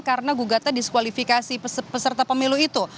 karena gugatan diskualifikasi peserta pemilu itu